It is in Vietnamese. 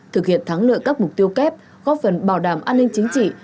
thực hiện thắng lợi các mục tiêu kép góp phần bảo đảm an ninh chính trị